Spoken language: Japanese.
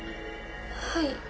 はい。